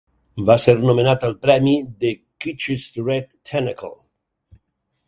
Va ser nomenat al premi The Kitschies Red Tentacle.